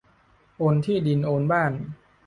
โอนที่ดินโอนบ้าน